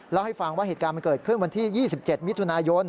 เล่าให้ฟังว่าเหตุการณ์มันเกิดขึ้นวันที่๒๗มิถุนายน